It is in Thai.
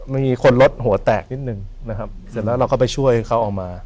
มีคนรถหัวแตกนิดนึงนะครับเสร็จแล้วเราก็ไปช่วยเขาออกมา